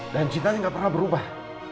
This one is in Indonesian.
dan cinta gak pernah berubah